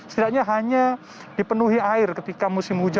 setidaknya hanya dipenuhi air ketika musim hujan